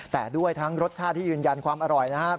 แต่ด้วยทั้งรสชาติที่ยืนยันความอร่อยนะครับ